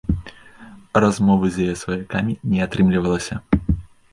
Размовы з яе сваякамі не атрымлівалася.